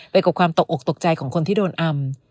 กับความตกอกตกใจของคนที่โดนอำ